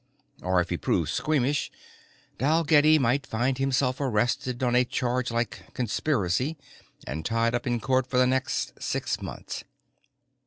Or, if he proved squeamish, Dalgetty might find himself arrested on a charge like conspiracy and tied up in court for the next six months.